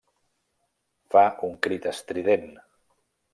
Fa un crit estrident.